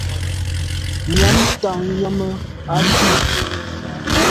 Nyam tà yàme à dum.